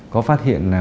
có phát hiện là